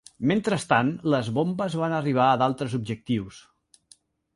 Mentrestant, les bombes van arribar a d'altres objectius.